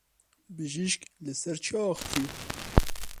Bijîşk li ser çi axivî?